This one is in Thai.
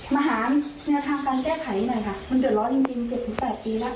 มาหาเนื้อทางการแก้ไขให้หน่อยค่ะมันเดี๋ยวร้อยจริงจริงเจ็ดสิบสิบแปดทีแล้ว